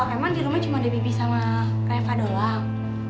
emang di rumah cuma ada bibi sama reva doang